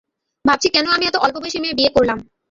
ভাবছি কেন আমি এত অল্প বয়সি মেয়ে বিয়ে করলাম।